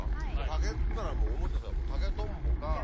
竹っつったらもう竹とんぼか。